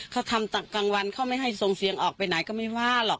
เขาทำกลางวันเขาไม่ให้ส่งเสียงออกไปไหนก็ไม่ว่าหรอก